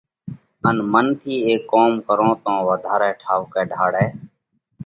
ان منَ ٿِي اي ڪوم ڪرون تو وڌارئہ ٺائُوڪئہ ڍاۯئہ